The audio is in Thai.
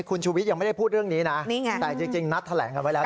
คุณชูวิทย์ยังไม่ได้พูดเรื่องนี้นะแต่จริงนัดแถลงกันไว้แล้ว